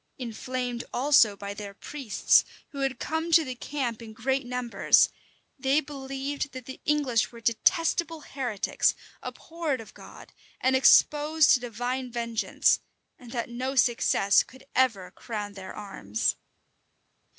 Inflamed also by their priests, who had come to the camp in great numbers, they believed that the English were detestable heretics, abhorred of God, and exposed to divine vengeance; and that no success could ever crown their arms.